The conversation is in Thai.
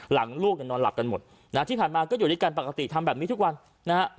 ลูกเนี่ยนอนหลับกันหมดนะฮะที่ผ่านมาก็อยู่ด้วยกันปกติทำแบบนี้ทุกวันนะฮะ